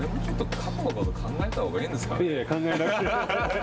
過去のこと考えたほうがいいんですかね。